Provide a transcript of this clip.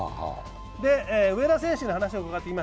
植田選手に話を伺っています。